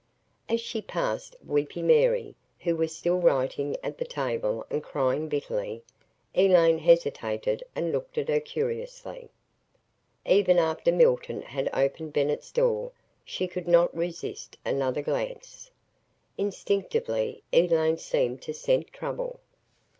As she passed "Weepy Mary," who was still writing at the table and crying bitterly, Elaine hesitated and looked at her curiously. Even after Milton had opened Bennett's door, she could not resist another glance. Instinctively Elaine seemed to scent trouble.